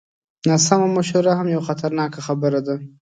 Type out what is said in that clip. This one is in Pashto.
ناسمه مشوره هم یوه خطرناکه خبره ده.